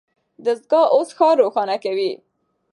دستګاه اوس ښار روښانه کوي.